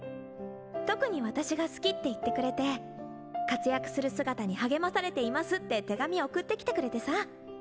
特に私が好きって言ってくれて「活躍する姿に励まされています」って手紙送ってきてくれてさ。